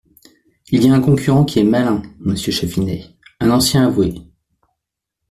Il a un concurrent qui est malin, Monsieur Chatfinet, un ancien avoué…